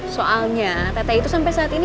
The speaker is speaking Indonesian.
soalnya tete itu sampai saat ini